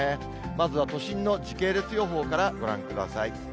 まずは都心の時系列予報からご覧ください。